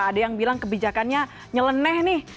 ada yang bilang kebijakannya nyeleneh nih